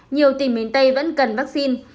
nhiều tỉnh miền tây vẫn cần vaccine